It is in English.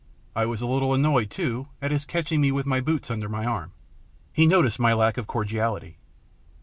I was a little annoyed, too, at his catching me with my boots under my arm. He noticed my lack of cordiality.